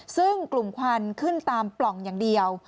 ซึ่งกลุ่มควันขึ้นตามปล่องอย่างเดียว